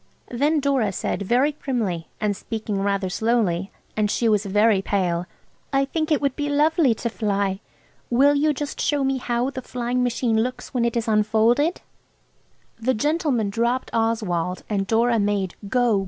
Then Dora said very primly and speaking rather slowly, and she was very pale– "I think it would be lovely to fly. Will you just show me how the flying machine looks when it is unfolded?" The gentleman dropped Oswald, and Dora made "Go!